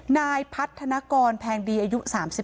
นายพัฒนากรแพงดีอายุ๓๒